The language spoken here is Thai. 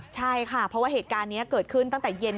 ใช่ค่ะเพราะว่าเหตุการณ์นี้เกิดขึ้นตั้งแต่เย็น